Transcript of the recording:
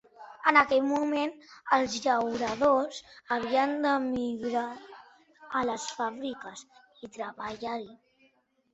En aquell moment, els llauradors havien d'emigrar a les fàbriques i treballar-hi.